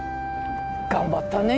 頑張ったね。